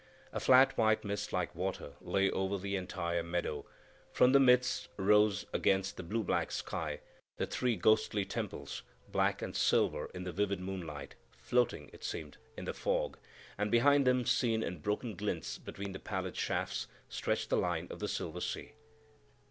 A flat, white mist, like water, lay over the entire meadow; from the midst rose against the blue black sky the three ghostly temples, black and silver in the vivid moonlight, floating, it seemed, in the fog; and behind them, seen in broken glints between the pallid shafts, stretched the line of the silver sea.